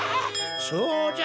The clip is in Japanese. そうじゃ！